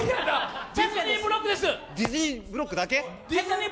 ディズニーブロックだけ？